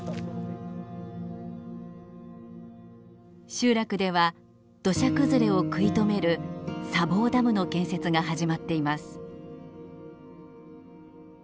集落では土砂崩れを食い止める砂防ダムの建設が始まっています。